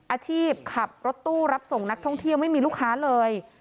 อาชีพขับรถตู้รับส่งนักท่องเที่ยวไม่มีลูกค้าเลย